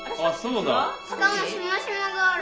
しかもしましまがある。